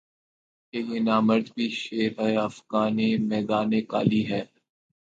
کہ یہ نامرد بھی شیر افگنِ میدانِ قالی ہے